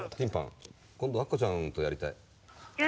今度あっこちゃんとやりたい。